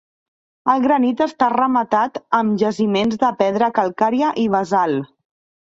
El granit està rematat amb jaciments de pedra calcària i basalt.